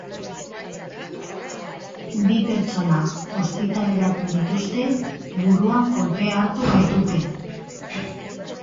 Bi pertsona ospitaleratu dituzte, buruan kolpea hartu baitute.